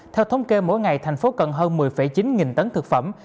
theo thống kê mỗi ngày thành phố cần hơn một mươi chín nghìn tấn thực phẩm